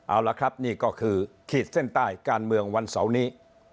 เอาละครับนี่ก็คือขีดเส้นใต้การเมืองวันเสาร์นี้